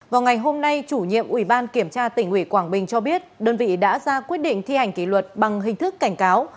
vào ngày hôm nay chủ nhiệm ủy ban kiểm tra tỉnh ủy quảng bình cho biết đơn vị đã ra quyết định thi hành kỷ luật bằng hình thức cảnh cáo